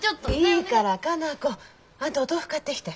いいから佳奈子あんたお豆腐買ってきて。